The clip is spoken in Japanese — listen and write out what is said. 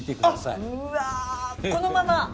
このまま？